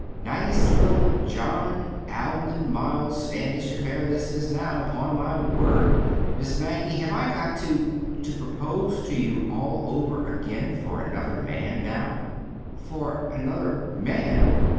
"Nice little John Alden Miles Standish affair this is now, upon my word! Miss Maggie, have I got to—to propose to you all over again for—for another man, now?" "For—_another man!